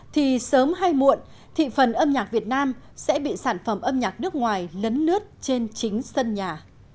thì sớm hay muộn thị phần âm nhạc việt nam sẽ bị sản phẩm âm nhạc nước ngoài lấn lướt trên chính sân nhà